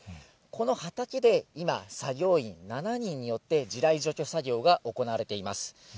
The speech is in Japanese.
この畑で、今、作業員７人によって、地雷除去作業が行われています。